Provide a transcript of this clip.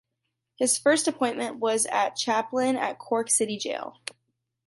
His first appointment was as Chaplain at Cork City Jail.